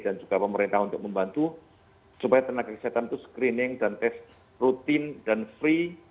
dan juga pemerintah untuk membantu supaya tenaga kesehatan itu screening dan tes rutin dan free